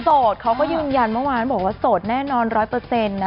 โสดเค้ายืนยันเมื่อวานว่าโสดแน่นอนอย่าง๑๐๐